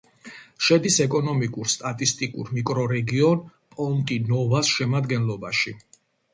შედის ეკონომიკურ-სტატისტიკურ მიკრორეგიონ პონტი-ნოვას შემადგენლობაში.